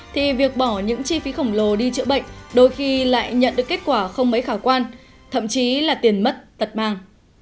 thì việc bỏ những chi phí khổng lồ đi chữa bệnh đôi khi lại nhận được kết quả không mấy khả quan thậm chí là tiền mất tật mang